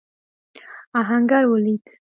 آهنګر ولوېد.